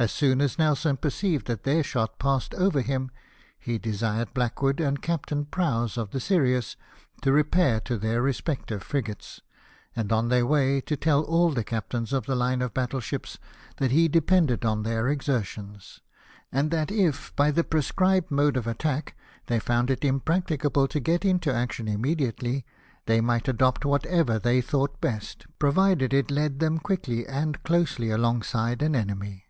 As soon as Nelson perceived that their shot passed over him, he desired Blackwood, and Captain Browse, of the Sirius, to repair to their respective frigates : and, on their way, to tell all the captains of the line of battle ships that he depended on their exertions ; and that if by the prescribed mode of attack they found it impracticable to get into action immediately, they might adopt whatever they thought best, provided it led them quickly and 312 LIFE OF NELSON, closely alongside an enemy.